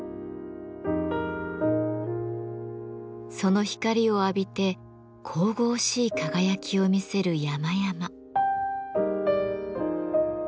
その光を浴びて神々しい輝きを見せる山々。